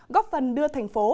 góp phần đưa thành phố